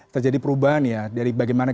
terjadi perubahan ya dari bagaimana